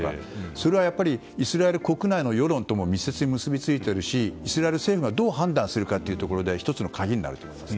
それは、イスラエル国内の世論とも密接に結びついているしイスラエル政府がどう判断するかというところで１つの鍵になると思います。